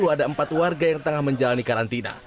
ada empat warga yang tengah menjalani karantina